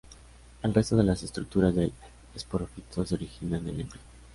El resto de las estructuras del esporófito se originan del embrión.